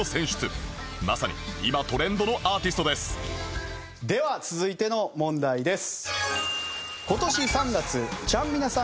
まさに今トレンドのアーティストですでは続いての問題です。